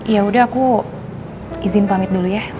yaudah aku izin pamit dulu ya